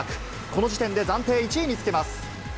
この時点で暫定１位につけます。